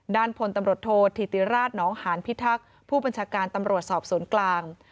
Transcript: ด้านพลตำรวจโทษธิติราชน้องหานพิทักษ์ผู้บัญชาการตำรวจสอบสวนกลาง